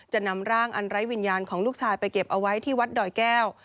นำร่างอันไร้วิญญาณของลูกชายไปเก็บเอาไว้ที่วัดดอยแก้ว